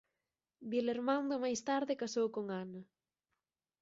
Dilermando máis tarde casou con Anna.